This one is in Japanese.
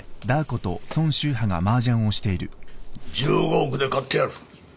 １５億で買ってやる。